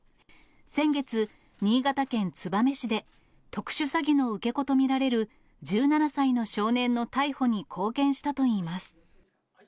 先月、新潟県燕市で特殊詐欺の受け子と見られる、１７歳の少年の逮捕に貢献したといいます。